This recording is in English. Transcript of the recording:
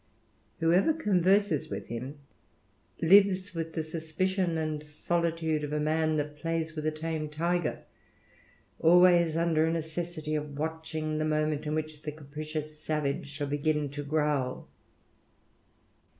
Whoever converses with him, lives wilb the suspicion and solitude of a man that plays witli a tiger, always under a necessity of watching the leut in which the capricious savage shall begin to growl.